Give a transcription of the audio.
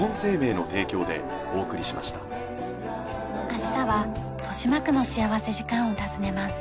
明日は豊島区の幸福時間を訪ねます。